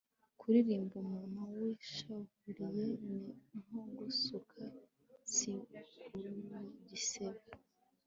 kuririmbira umuntu wishavuriye ni nko gusuka siki ku gisebe